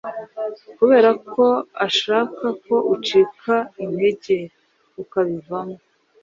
kubera ko ashaka ko ucika intege ukabivamo